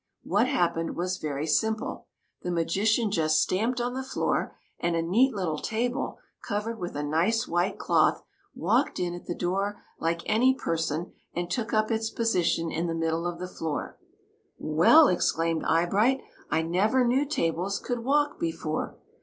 What hap pened was very simple : the magician just stamped on the floor, and a neat little table, covered with a nice white cloth, walked in at the door like any person and took up its posi tion in the middle of the floor. " Well !" exclaimed Eyebright ;'' I never knew tables could walk, before